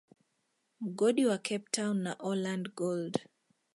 Mgodi wa Cape town na Orland Gold